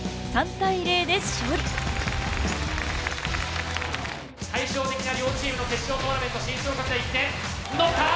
対照的な両チームの決勝トーナメント進出をかけた一戦。のった！